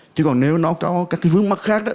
chứ còn nếu nó có các cái vướng mắt khác